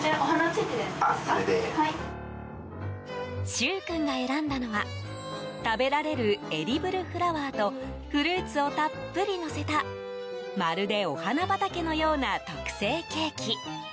柊君が選んだのは食べられるエディブルフラワーとフルーツをたっぷりのせたまるでお花畑のような特製ケーキ。